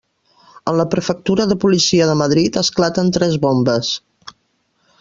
En la prefectura de policia de Madrid esclaten tres bombes.